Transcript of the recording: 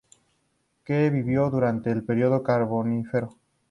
Que vivió durante el período carbonífero.